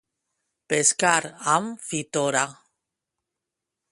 Pescar amb fitora.